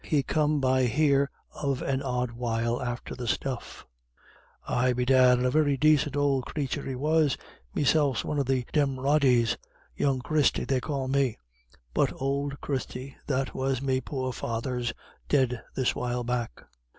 He come by here of an odd while after the stuff." "Ay, bedad, and a very dacint ould crathur he was. Meself's one of the Dermodys young Christie they call me but ould Christie that was me poor father's dead this while back.